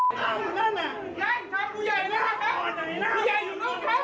ตามแนวนะครับผู้ใหญ่อยู่นู้นครับ